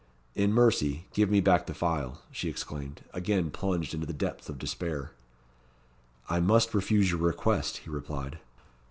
"In mercy give me back the phial," she exclaimed, again plunged into the depths of despair. "I must refuse your request," he replied.